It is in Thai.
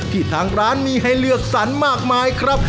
ทางร้านมีให้เลือกสรรมากมายครับ